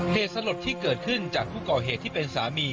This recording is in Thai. เหตุสลดที่เกิดขึ้นจากผู้ก่อเหตุที่เป็นสามี